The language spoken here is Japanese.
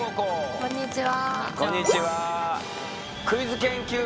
こんにちは。